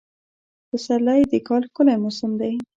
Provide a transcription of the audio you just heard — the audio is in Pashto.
پسرلی د کال ښکلی موسم دی.